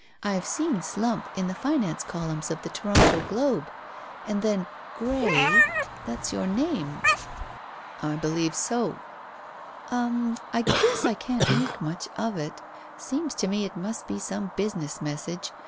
I've seen 'Slump' in the finance columns of the Toronto Globe. And then 'Grey.' That's your name." "I believe so." "Um. Guess I can't make much of it. Seems to me it must be some business message.